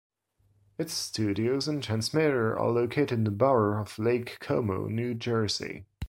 Its studios and transmitter are located in the Borough of Lake Como, New Jersey.